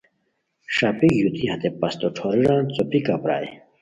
ݰاپیک ژوتی ہتے پستو ݯھوریران څوپیکہ پرائے